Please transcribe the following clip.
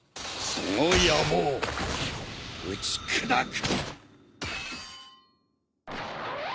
その野望打ち砕く！